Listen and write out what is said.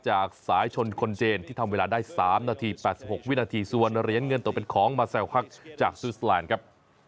จากสายชนคนจีนที่ทำเวลาได้๓นาที๘๖วินาทีส่วนเหรียญเงินตกเป็นของมาแซวคักจากซูสแลนด์ครับ